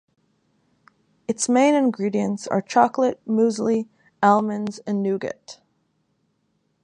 Its main ingredients are chocolate, muesli, almonds and nougat.